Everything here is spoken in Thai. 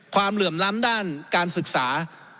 เหลื่อมล้ำด้านการศึกษา